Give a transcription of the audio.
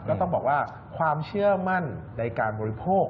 ก็ต้องบอกว่าความเชื่อมั่นในการบริโภค